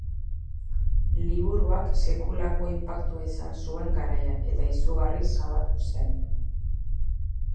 Liburuak sekulako inpaktua izan zuen garaian eta izugarri zabaldu zen.